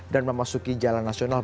dan memasuki jalan nasional